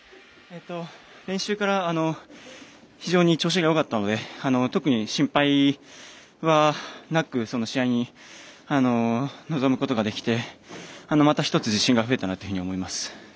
練習から非常に調子がよかったので特に心配はなく試合に臨むことができてまた１つ自信が増えたなというふうに思います。